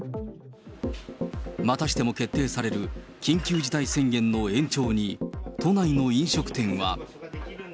またしても決定される緊急事態宣言の延長に都内の飲食店は。